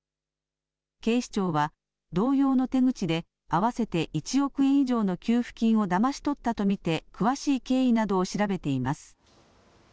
警視庁は同様の手口で合わせて１億円以上の給付金をだまし取ったと見て、詳しい経緯などを調べています。